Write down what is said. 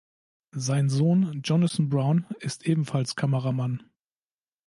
Sein Sohn Jonathan Brown ist ebenfalls Kameramann.